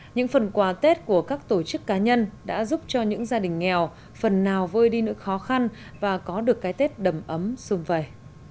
những phần quà tết của các tổ chức cá nhân đã giúp cho những gia đình nghèo phần nào vơi đi nỗi khó khăn và có được cái tết đầm ấm sung vầy